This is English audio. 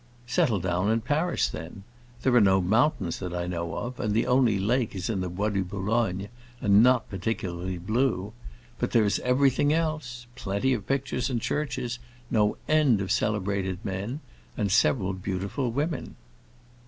"Settle down in Paris, then. There are no mountains that I know of, and the only lake is in the Bois du Boulogne, and not particularly blue. But there is everything else: plenty of pictures and churches, no end of celebrated men, and several beautiful women."